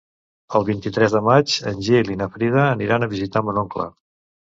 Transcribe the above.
El vint-i-tres de maig en Gil i na Frida aniran a visitar mon oncle.